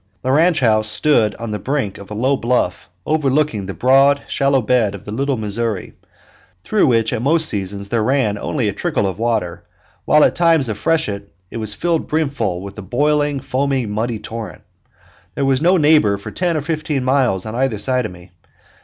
The ranch house stood on the brink of a low bluff overlooking the broad, shallow bed of the Little Missouri, through which at most seasons there ran only a trickle of water, while in times of freshet it was filled brimful with the boiling, foaming, muddy torrent. There was no neighbor for ten or fifteen miles on either side of me.